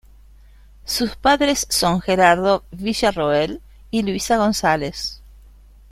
Sus padres son Gerardo Villarroel y Luisa González.